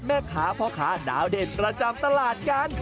แม่ค้าพ่อค้าดาวเด่นประจำตลาดกัน